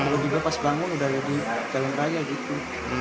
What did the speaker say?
dan baru juga pas bangun udah lagi jalan raya gitu